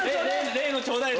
例のちょうだい！